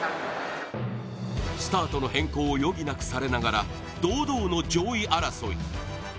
スタートの変更を余儀なくされながら、堂々の上位争い。